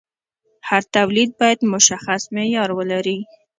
هر تولید باید مشخص معیار ولري.